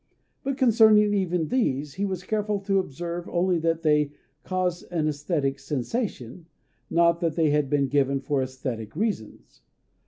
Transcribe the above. But concerning even these he was careful to observe only that they "caused an æsthetic sensation," not that they had been given for æsthetic reasons.